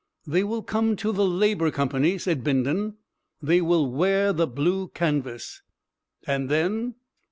"They will come to the Labour Company," said Bindon. "They will wear the blue canvas." "And then?"